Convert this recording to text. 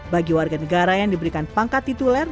bagi warga negara yang diberikan pangkat tituler